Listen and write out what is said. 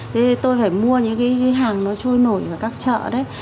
thế thì tôi phải mua những cái hàng nó trôi nổi ở các chợ đấy